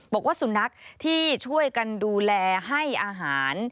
บอกว่าสุนัขที่ช่วยกันดูแลให้อาหาร